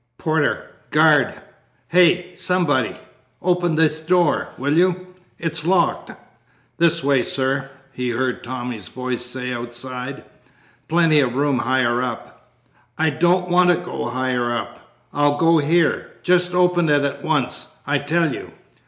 "Porter! guard! Hi, somebody! open this door, will you; it's locked." "This way, sir," he heard Tommy's voice say outside. "Plenty of room higher up." "I don't want to go higher up. I'll go here. Just open it at once, I tell you."